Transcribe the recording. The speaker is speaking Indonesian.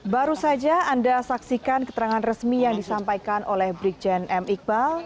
baru saja anda saksikan keterangan resmi yang disampaikan oleh brigjen m iqbal